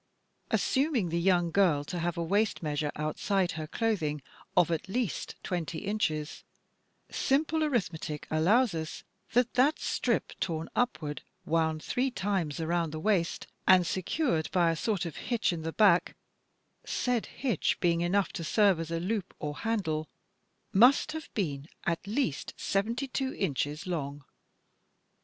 Assuming the yoimg girl to have a waist measure, outside her clothing, of at least twenty inches, simple arithmetic shows us that that strip "torn upward," "wound three times around the waist," "and secured by a sort of hitch in the back" (said "hitch" being enough to serve as a loop or handle), must have been at least seventy two inches long.